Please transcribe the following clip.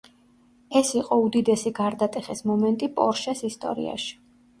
ეს იყო უდიდესი გარდატეხის მომენტი პორშეს ისტორიაში.